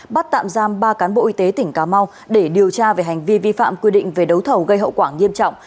bắt tạm giam ba cán bộ y tế tỉnh cà mau để điều tra về hành vi vi phạm quy định về đấu thầu gây hậu quả nghiêm trọng